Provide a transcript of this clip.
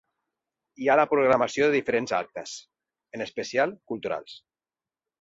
Hi ha la programació de diferents actes, en especial culturals.